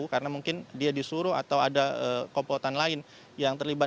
karena mungkin dia disuruh atau ada kompotan lain yang terlibat